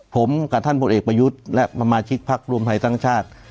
ผมกับท่านบทเอกประยุทธ์และประมาชิกภักดิ์รวมไทยทั้งชาติ